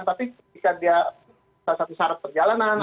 tapi ketika dia salah satu syarat perjalanan